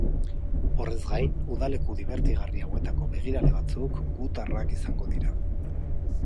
Horrez gain, udaleku dibertigarri hauetako begirale batzuk gutarrak izango dira.